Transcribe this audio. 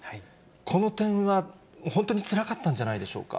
この点は、本当につらかったんじゃないでしょうか。